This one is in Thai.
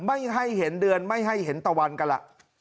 ไม่ให้เห็นเดือนไม่ให้เห็นตะวันกันล่ะ